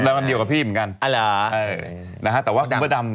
อ๋อเราก็ทำเดียวกับพี่เหมือนกันอ๋อเหรอเอ่ยนะฮะแต่ว่าคุณพ่อดำ